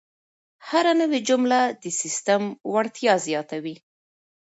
هره نوې جمله د سیسټم وړتیا زیاتوي.